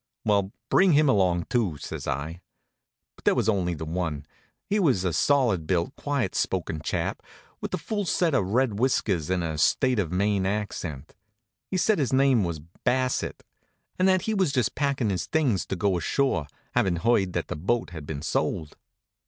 "Well, bring him along, too," says I. But there was only the one. He was a solid built, quiet spoken chap, with a full set of red whiskers and a state of Maine accent. He said his name was Bassett, and that he was just packin' his things to go ashore, havin' heard that the boat had been sold.